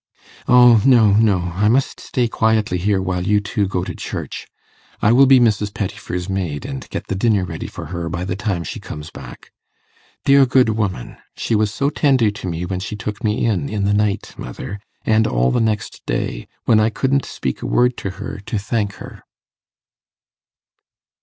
'O no, no! I must stay quietly here while you two go to church. I will be Mrs. Pettifer's maid, and get the dinner ready for her by the time she comes back. Dear good woman! She was so tender to me when she took me in, in the night, mother, and all the next day, when I couldn't speak a word to her to thank her.